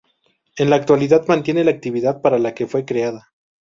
En la actualidad mantiene la actividad para la que fue creada.